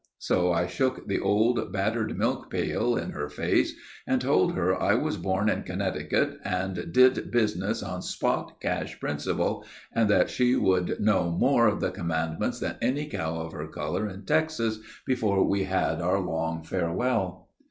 So I shook the old, battered milk pail in her face, and told her I was born in Connecticut, and did business on spot cash principle; and that she would know more of the commandments than any cow of her color in Texas, before we said our long farewell.